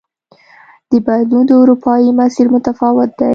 د بدلون دا اروپايي مسیر متفاوت دی.